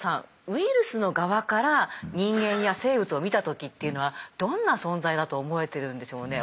ウイルスの側から人間や生物を見た時というのはどんな存在だと思えてるんでしょうね。